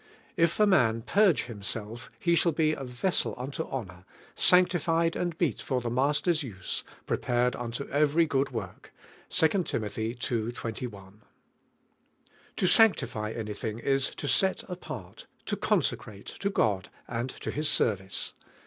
If a man .... purge himself .... he shall be a vessel auto honor, sanctified and meet for the Master's use, prepared auto every good work (II. Tim. il. 21). TO sanctify anything is to set apart, to consecrate, to God and to His set vice.